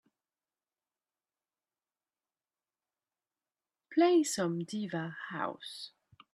Play some diva house.